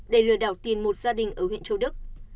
để lừa đảo tiền một gia đình ở huyện châu đức